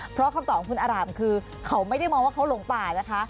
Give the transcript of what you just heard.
เพราะคำตอบของคุณอารามคือเขาไม่ได้มองว่าเขาหลงป่านะคะ